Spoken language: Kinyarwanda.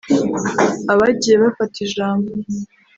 Abagiye bafata ijambo